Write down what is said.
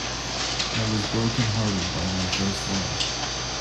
I was broken hearted by my first love.